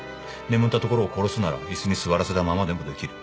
眠ったところを殺すなら椅子に座らせたままでもできる。